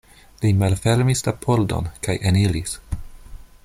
Li malfermis la pordon kaj eniris.